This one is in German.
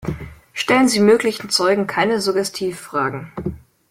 Stellen Sie möglichen Zeugen keine Suggestivfragen.